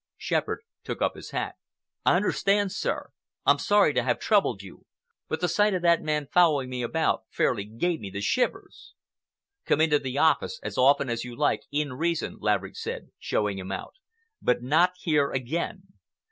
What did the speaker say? Shepherd took up his hat. "I understand, sir. I'm sorry to have troubled you, but the sight of that man following me about fairly gave me the shivers." "Come into the office as often as you like, in reason," Laverick said, showing him out, "but not here again.